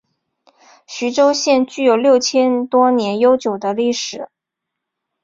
徐州具有六千多年悠久的历史。